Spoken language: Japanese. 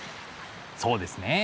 そうですね。